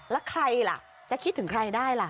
แล้วใครล่ะจะคิดถึงใครได้ล่ะ